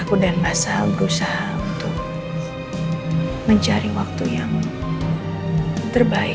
aku dan basah berusaha untuk mencari waktu yang terbaik